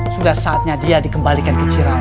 sudah saatnya dia dikembalikan ke cira